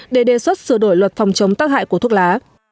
để đề xuất sửa đổi luật phòng chống tác hại của thuốc lá